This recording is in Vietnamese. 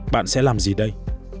bạn sẽ làm gì đây